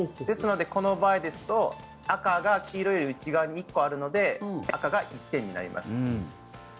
ですので、この場合ですと赤が黄色い内側に１個あるので赤が１点になります。